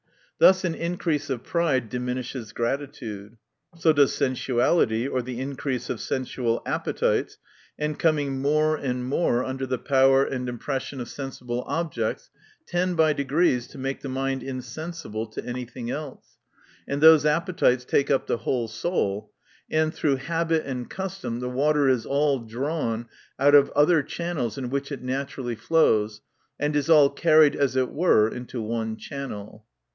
Thus an increase of pride diminishes gratitude. — So does sensuality, or the increase of sensual appetites, and coming more and more under the power and impresssion of sensible objects, tends by degrees to make the mind insensible to any thing else ; and those appetites take up the whole THE NATURE OF VIRTUE 299 soul , and through habit and custom the water is all drawn out of other chan nels, in which it naturally flows, and is all carried as it were into one channel.